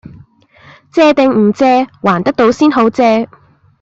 借定唔借？還得到先好借！